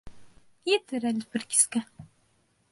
Етер әле бер кискә.